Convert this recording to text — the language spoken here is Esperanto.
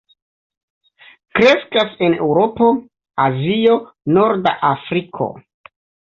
Kreskas en Eŭropo, Azio, norda Afriko.